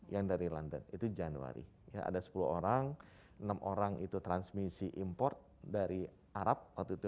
yang dari london itu januari ya ada sepuluh orang enam orang itu transmisi import dari arab waktu itu